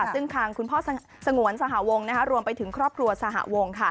ซึ่งทางคุณพ่อสงวนสหวงรวมไปถึงครอบครัวสหวง